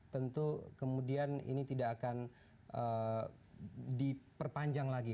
tentu kemudian ini tidak akan diperpanjang lagi